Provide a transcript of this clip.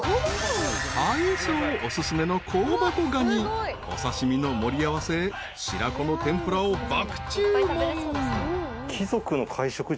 ［大将お薦めの香箱ガニお刺し身の盛り合わせ白子の天ぷらを爆注文］